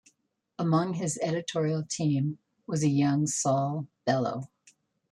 Among his editorial team was a young Saul Bellow.